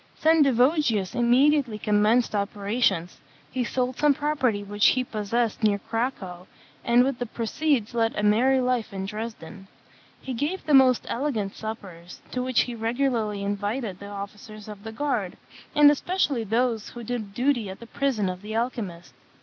Sendivogius immediately commenced operations; he sold some property which he possessed near Cracow, and with the proceeds led a merry life at Dresden. He gave the most elegant suppers, to which he regularly invited the officers of the guard, and especially those who did duty at the prison of the alchymist.